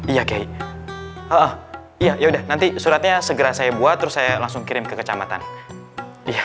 iya kay iya ya udah nanti suratnya segera saya buat terus saya langsung kirim ke kecamatan ya